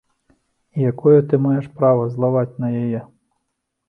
І якое ты маеш права злаваць на яе?